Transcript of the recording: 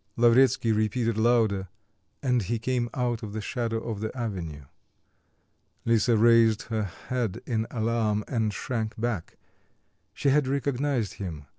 Lavretsky repeated louder, and he came out of the shadow of the avenue. Lisa raised her head in alarm, and shrank back. She had recognised him.